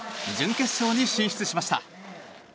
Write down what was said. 準決勝に進出しました。